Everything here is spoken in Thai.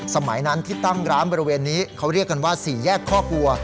สมัยนั้นที่ตั้งร้านบริเวณนี้เขาเรียกกันว่าสี่แยกข้อกลัว